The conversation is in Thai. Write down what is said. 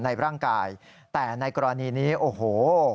ในร่างกายแต่ในกรณีนี้โอ้โห